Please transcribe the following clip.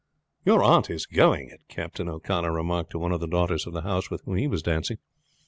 "Your aunt is going it," Captain O'Connor remarked to one of the daughters of the house with whom he was dancing.